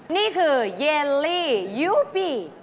นี่คือเยลลี่ยูปี